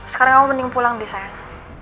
sekarang kamu mending pulang deh sayang